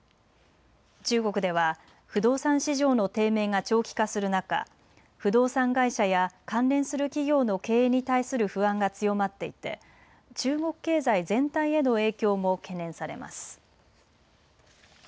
中国では不動産市場の低迷が長期化する中、不動産会社や関連する企業の経営に対する不安が強まっていて中国経済全体への影響も懸念されます。